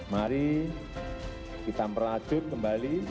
mari kita merajut kembali